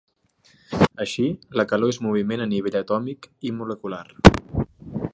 Així, la calor és moviment a nivell atòmic i molecular.